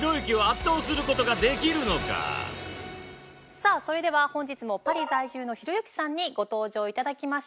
さあそれでは本日もパリ在住のひろゆきさんにご登場いただきましょう。